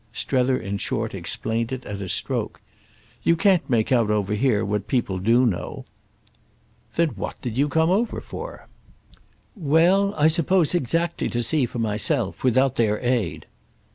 Strether in short explained it at a stroke. "You can't make out over here what people do know." "Then what did you come over for?" "Well, I suppose exactly to see for myself—without their aid."